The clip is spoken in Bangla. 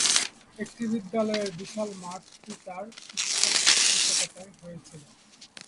এই বিদ্যালয়ের বিশাল মাঠটি তার পৃষ্ঠপোষকতায় হয়েছিল।